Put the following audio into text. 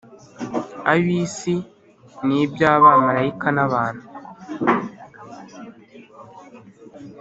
abisi n iby abamarayika n abantu